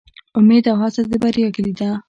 امید او هڅه د بریا کیلي ده